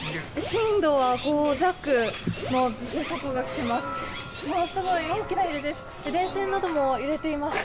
震度は５弱の地震速報が来ています。